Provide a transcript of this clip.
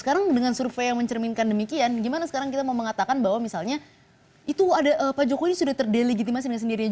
sekarang dengan survei yang mencerminkan demikian gimana sekarang kita mau mengatakan bahwa misalnya itu pak jokowi sudah terdelegitimasi dengan sendirinya